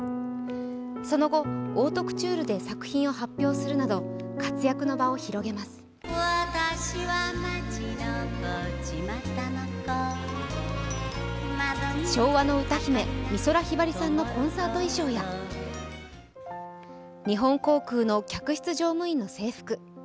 その後、オートクチュールで作品を発表するなど、活躍の場を広げます昭和の歌姫、美空ひばりさんの衣装や日本航空の客室乗務員の制服